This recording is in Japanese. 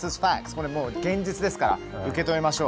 これ、もう現実ですから受け止めましょう。